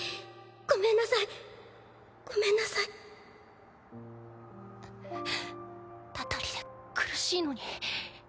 ごめんなさいごめんなさい」んん祟りで苦しいのに。